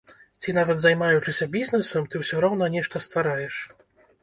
Ці нават займаючыся бізнэсам, ты ўсё роўна нешта ствараеш?